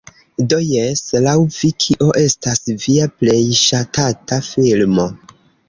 Do jes, laŭ vi, kio estas via plej ŝatata filmo?